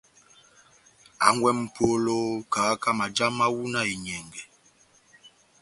Hangwɛ M'polo, kahaka maja mahu na enyɛngɛ.